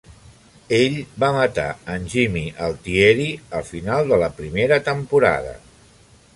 Ell va matar en Jimmy Altieri al final de la primera temporada.